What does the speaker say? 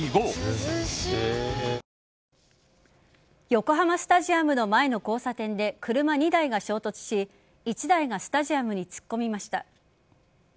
横浜スタジアムの前の交差点で車２台が衝突し１台がスタジアムに突っ込みました。